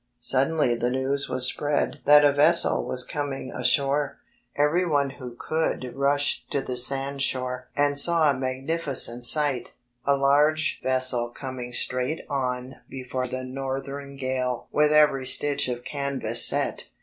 Suddenly the news was spread that a vessel was coming ashore. Every one who could rushed to the sandshore and D,i„Mb, Google saw a magnificent sight! a large vessel coming straight on before the northern gale with every stitch of canvas set.